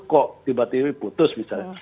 kok tiba tiba putus misalnya